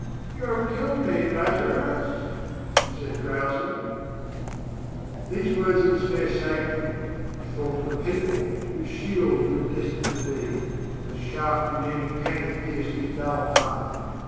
"You have killed me, Lazarus," he said drowsily. These words of despair saved him. He thought of the people, whose shield he was destined to be, and a sharp, redeeming pang pierced his dull heart.